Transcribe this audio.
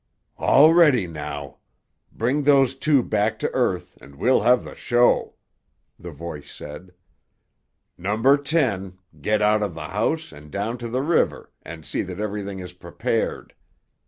"All ready now! Bring those two back to earth, and we'll have the show!" the voice said. "Number Ten, get out of the house and down to the river and see that everything is prepared.